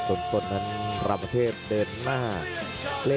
โหโหโหโหโหโหโหโหโหโห